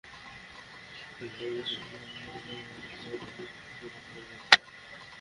এবার চারটি লোকজ ধাঁচের গান দিয়ে প্রকাশিত হলো তাঁর নতুন অ্যালবাম।